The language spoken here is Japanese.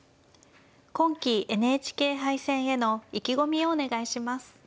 今期ＮＨＫ杯戦への意気込みをお願いします。